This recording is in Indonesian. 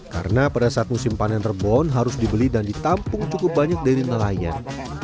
karena pada saat musim panen terbon harus dibeli dan ditampung cukup banyak dari nelayan